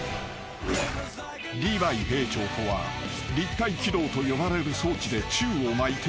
［リヴァイ兵長とは立体機動と呼ばれる装置で宙を舞い敵を倒す人類